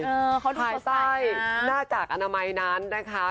เออเขาดูตกใสนะคะภายใต้หน้ากากอนามัยนั้นนะคะ